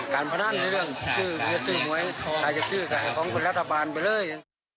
การพนันต์ในเรื่องชื่อชื่อหมวยขายชื่อของคนรัฐบาลไปเลย